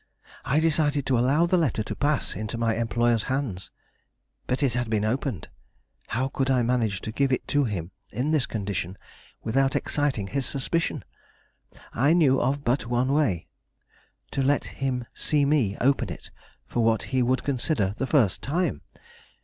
I decided to allow the letter to pass into my employer's hands. But it had been opened! How could I manage to give it to him in this condition without exciting his suspicion? I knew of but one way; to let him see me open it for what he would consider the first time.